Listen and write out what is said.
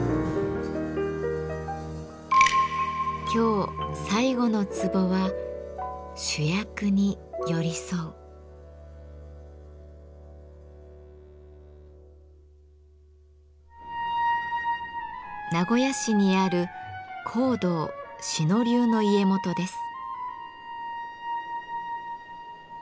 今日最後のツボは名古屋市にある香道志野流の家元です。